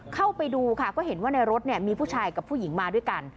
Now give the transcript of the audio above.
เข้าไปดูค่ะก็เห็นว่าในรถมีผู้ชายกับผู้หญิงมาด้วยกัน